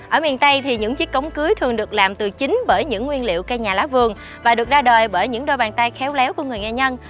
ở miền tây thì những chiếc cổng cưới thường được làm từ chính bởi những nguyên liệu cây nhà lá vườn và được ra đời bởi những đôi bàn tay khéo léo của người nghệ nhân